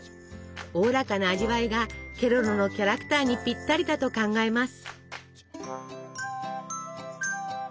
おおらかな味わいがケロロのキャラクターにぴったりだと考えます。